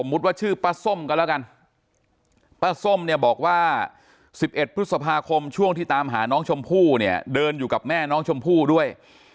ว่าชื่อป้าส้มกันแล้วกันป้าส้มเนี่ยบอกว่า๑๑พฤษภาคมช่วงที่ตามหาน้องชมพู่เนี่ยเดินอยู่กับแม่น้องชมพู่ด้วย